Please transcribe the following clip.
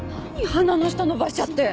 鼻の下伸ばしちゃって！